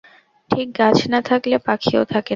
ঠিক গাছ না থাকলে পাখিও থাকে না।